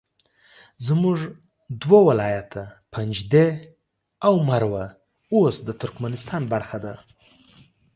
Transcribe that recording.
زموږ دوه ولایته پنجده او مروه اوس د ترکمنستان برخه ده